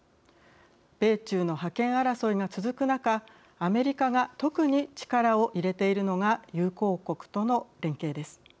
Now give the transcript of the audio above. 米中の覇権争いが続く中アメリカが特に力を入れているのが友好国との連携です。